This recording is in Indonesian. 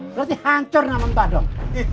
berarti hancur nama mbak dong